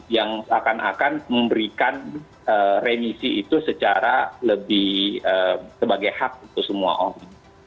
yang akan memberikan remisi itu secara lebih sebagai hak untuk semua orang